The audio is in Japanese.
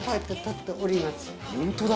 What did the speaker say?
ホントだ。